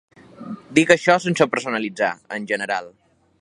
Dic això sense personalitzar, en general.